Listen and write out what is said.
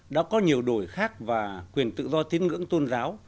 đã có nhiều đổi khác và quyền tự do tín ngưỡng tôn giáo